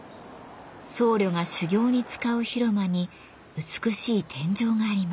僧侶が修行に使う広間に美しい天井があります。